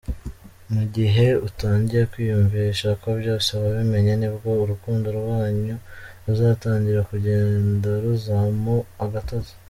mu gihe utangiye kwiyumvisha ko byose wabimenye nibwo urukundo rwanyu ruzatangira kugendaruzamo agatotsi.